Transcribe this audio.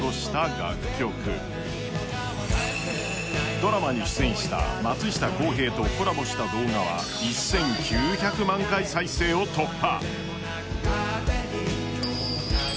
ドラマに出演した松下洸平とコラボした動画は１９００万回再生を突破。